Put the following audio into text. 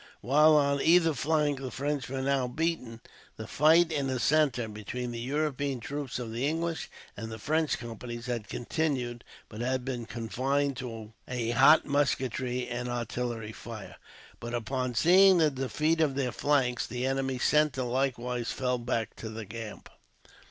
While on either flank the French were now beaten, the fight in the centre, between the European troops of the English and French Companies, had continued, but had been confined to a hot musketry and artillery fire. But upon seeing the defeat of their flanks, the enemy's centre likewise fell back to their camp.